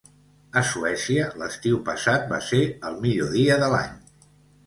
A Suècia, l’estiu passat va ser el millor dia de l’any.